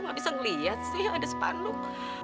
gak bisa ngeliat sih ada sepanduk